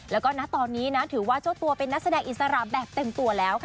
แล้วก็ณตอนนี้นะถือว่าเจ้าตัวเป็นนักแสดงอิสระแบบเต็มตัวแล้วค่ะ